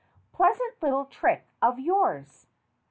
"Pleasant little trick of yours."